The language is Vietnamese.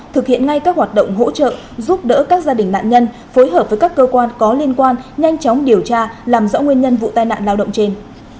thực hiện ngay các hoạt động hỗ trợ giúp đỡ các gia đình nạn nhân phối hợp với các cơ quan có liên quan nhanh chóng điều tra làm rõ nguyên nhân vụ tai nạn lao động trên